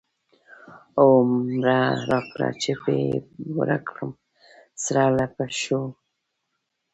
هو مره را کړه چی پی ورک کړم، سرله پښو، پښی له سره